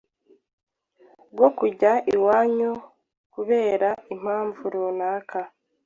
rwo kujya iwanyu kubera impamvu runaka.